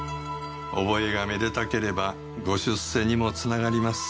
覚えがめでたければご出世にも繋がります。